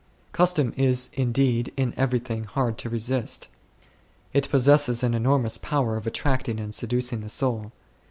Custom is indeed in everything hard to resist. It possesses an enormous power of attracting and seducing the soul.